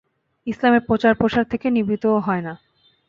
ইসলামের প্রচার-প্রসার থেকে নিবৃতও হয় না।